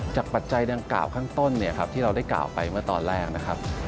จากปัจจัยดังกล่าวข้างต้นที่เราได้กล่าวไปเมื่อตอนแรก